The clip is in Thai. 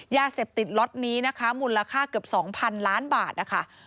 ยาเสพติดล็อตนี้นะคะมูลค่าเกือบ๒๐๐๐ล้านบาทนะคะ